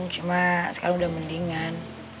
cuma sekarang udah mendingan